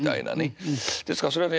ですからそれはね